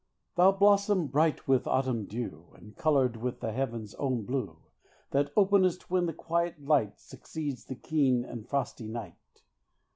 Thou blossom bright with autumn dew, And coloured with the heaven's own blue, That openest when the quiet light Succeeds the keen and frosty night.